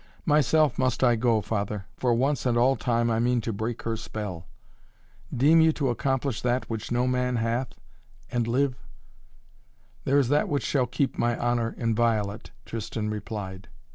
"Myself must I go, Father. For once and all time I mean to break her spell." "Deem you to accomplish that which no man hath and live?" "There is that which shall keep my honor inviolate," Tristan replied.